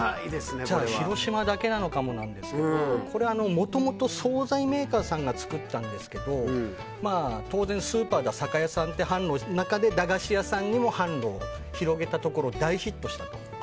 じゃあ広島だけなのかもしれませんがこれもともと総菜メーカーさんが作ったんですけどスーパーや酒屋さん以外に駄菓子屋さんにも販路を広げたところ大ヒットしたと。